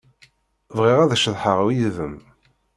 Bɣiɣ ad ceḍḥeɣ yid-m.